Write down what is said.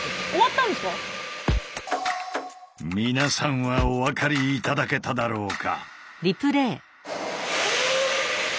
皆さんはお分かり頂けただろうか？